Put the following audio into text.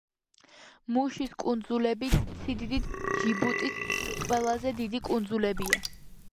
მუშის კუნძულები სიდიდით ჯიბუტის ყველაზე დიდი კუნძულებია.